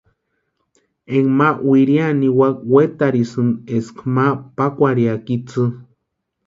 Énka ma wiriani niwaka wetarhisïni eska ma pakwarhiaka itsï.